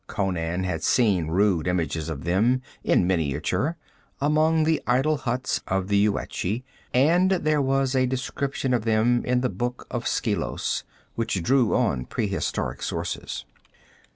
Conan had seen rude images of them, in miniature, among the idol huts of the Yuetshi, and there was a description of them in the Book of Skelos, which drew on prehistoric sources.